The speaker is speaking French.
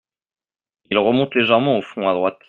Il remonte légèrement au fond à droite.